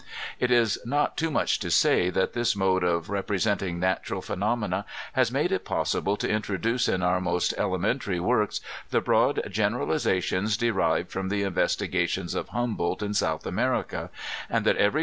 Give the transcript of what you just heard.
It is not too much to say, that this mode of representing natu ral phenomena has made it possible to introduce in our most elementary works, the broad generalizations derived from the investigations of Humboldt in South America; and that every Digitized by Google 104 Prof. Agami's Eulogy on Humboldt.